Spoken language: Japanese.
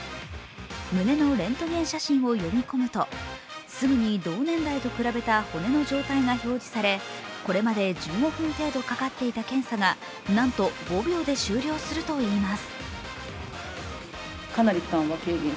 胸のレントゲン写真を読み込むとすぐに同年代と比べた骨の状態が表示され、これまで１５分程度かかっていた検査がなんと５秒で終了するといいます。